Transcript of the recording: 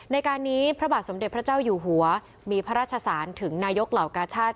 ในการนี้พระบาทสมเด็จพระเจ้าอยู่หัวมีพระราชสารถึงนายกเหล่ากาชาติ